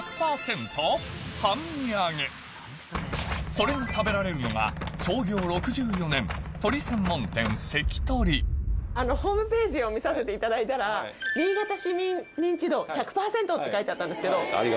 それを食べられるのが創業６４年ホームページを見させていただいたら。って書いてあったんですけど。